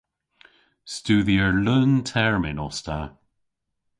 Studhyer leun-termyn os ta.